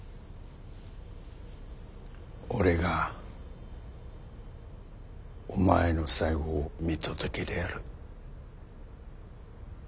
俺がお前の最期を見届けてやる。